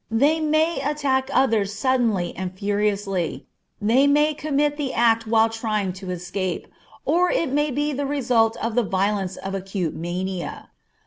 They may attack others suddenly and furiously; they may commit the act while trying to escape, or it may be the result of the violence of acute mania.